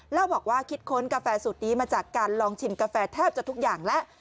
เล่าบอกว่าคิดค้นกาแฟสูตรนี้มาจากการลองชิมกาแฟแทบจะทุกอย่างแล้ว